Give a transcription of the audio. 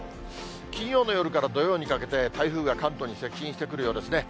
金曜の夜から土曜にかけて、台風が関東に接近してくるようですね。